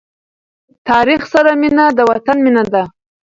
تاریخ سره مینه د وطن مینه ده.